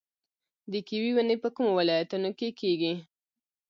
د کیوي ونې په کومو ولایتونو کې کیږي؟